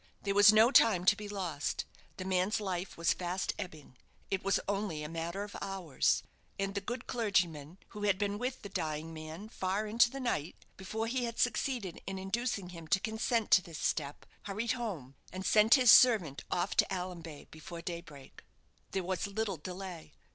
There was no time to be lost; the man's life was fast ebbing; it was only a matter of hours; and the good clergyman, who had been with the dying man far into the night before he had succeeded in inducing him to consent to this step, hurried home, and sent his servant off to Allanbay before daybreak. There was little delay.